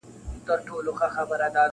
زنګول مي لا خوبونه د زلمیو شپو په ټال کي-